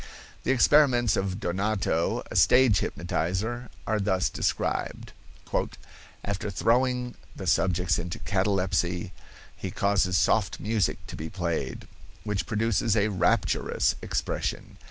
The experiments of Donato, a stage hypnotizer, are thus described: "After throwing the subjects into catalepsy he causes soft music to be played, which produces a rapturous expression.